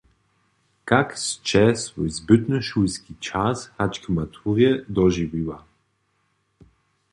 Kak sće swój zbytny šulski čas hač k maturje dožiwiła?